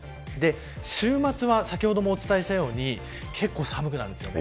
週末は先ほどもお伝えしたように結構、寒くなるんですよね。